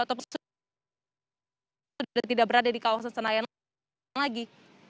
atau sudah tidak berada di kawasan senayan lagi